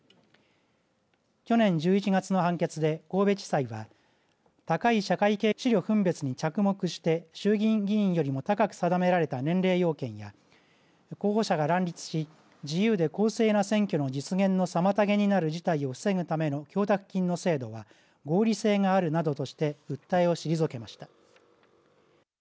去年１１月の判決で神戸地裁は高い社会経験に基づく思慮分別に着目して衆議院議員よりも高く定められた年齢要件や候補者が乱立し自由で公正な選挙の実現の妨げになる事態を防ぐための供託金の制度は合理性があるなどとして訴えを退けました。